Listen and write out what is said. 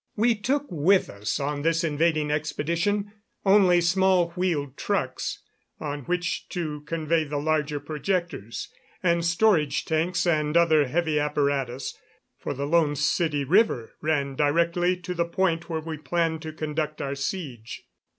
We took with us, on this invading expedition, only small wheeled trucks, on which to convey the larger projectors, and storage tanks and other heavy apparatus, for the Lone City river ran directly to the point where we planned to conduct our siege.